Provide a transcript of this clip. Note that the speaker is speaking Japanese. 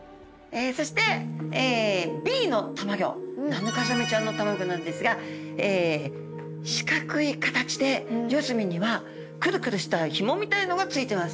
そしてＢのたまギョナヌカザメちゃんのたまギョなんですが四角い形で四隅にはくるくるしたひもみたいのがついています。